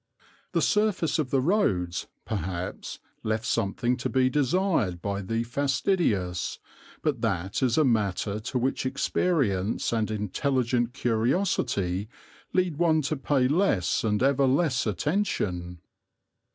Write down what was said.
The surface of the roads, perhaps, left something to be desired by the fastidious, but that is a matter to which experience and intelligent curiosity lead one to pay less and ever less attention.